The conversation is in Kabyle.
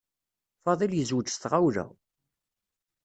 Fadil yezweǧ s tɣawla.